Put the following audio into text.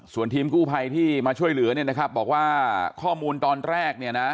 ส่วนทีมกูไพยที่มาช่วยเหลือบอกว่าข้อมูลตอนแรก